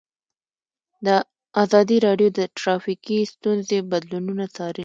ازادي راډیو د ټرافیکي ستونزې بدلونونه څارلي.